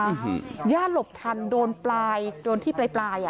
ย่าหลบทันโดนปลายโดนที่ปลายปลายอ่ะ